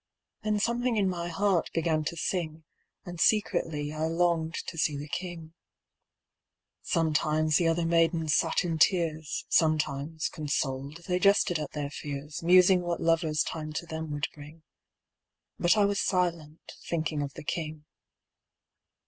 Then something in my heart began to sing, And secretly I longed to see the King. Sometimes the other maidens sat in tears, Sometimes, consoled, they jested at their fears, Musing what lovers Time to them would bring; But I was silent, thinking of the King.